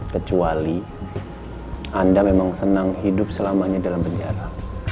kecuali anda memang senang hidup selamanya dalam penjara